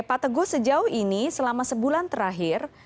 pak teguh sejauh ini selama sebulan terakhir